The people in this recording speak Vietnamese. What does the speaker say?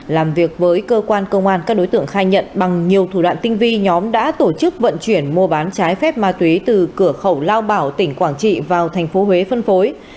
làm việc với cơ quan công an các đối tượng khai nhận bằng nhiều thủ đoạn tinh vi nhóm đã tổ chức vận chuyển mua bán trái phép ma túy từ cửa khẩu lao bảo tỉnh quảng trị vào thành phố huế phân phối